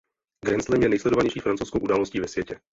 Grandslam je nejsledovanější francouzskou událostí ve světě.